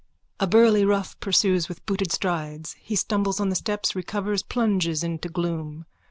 A burly rough pursues with booted strides. He stumbles on the steps, recovers, plunges into gloom.